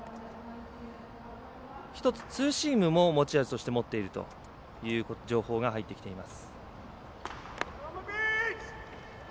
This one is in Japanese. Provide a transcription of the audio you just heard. １つツーシームも持ち味として持っているという情報が入ってきています。